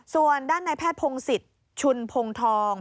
ส่วนด้านในแพทย์พงศิษย์ชุนพงทอง